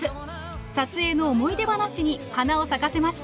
撮影の思い出話に花を咲かせました。